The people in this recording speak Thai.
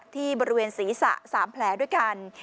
ที่บริเวณศีรษะ๓แผลด้วยกัน